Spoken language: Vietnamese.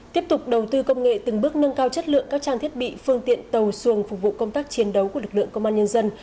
tiếp tục đầu tư công nghệ từng bước nâng cao chất lượng các trang thiết bị phương tiện tàu xuồng phục vụ công tác chiến đấu của lực lượng công an nhân dân